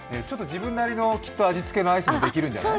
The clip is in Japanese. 自分なりのきっと味付けのアイスもできるんじゃない？